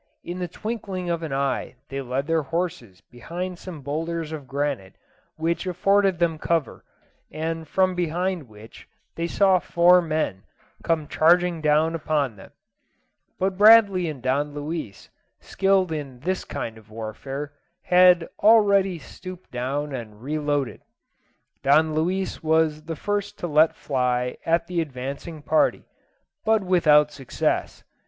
In the twinkling of an eye they led their horses behind some boulders of granite which afforded them cover, and from behind which they saw four men come charging down upon them. But Bradley and Don Luis, skilled in this kind of warfare, had already stooped down and reloaded. Don Luis was the first to let fly at the advancing party, but without success.